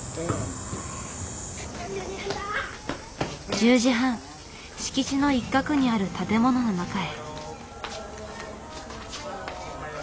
１０時半敷地の一角にある建物の中へ。